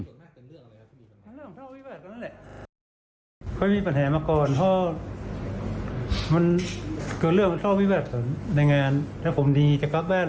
ส่วนมากเป็นเรื่องอะไรครับที่มีปัญหาความขัดแย้ง